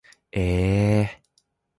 えー